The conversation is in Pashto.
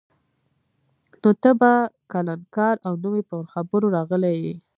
نو ته به کلنکار او نوی پر خبرو راغلی یې.